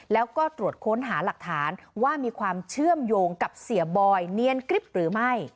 แล้วก็ตรวจค้นหาหลักฐานว่ามีความเชื่อมโยงกับเสียบอยเนียนกริ๊บหรือไม่